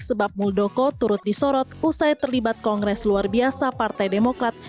sebab muldoko turut disorot usai terlibat kongres luar biasa partai demokrat